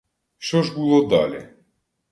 Що ж було далі?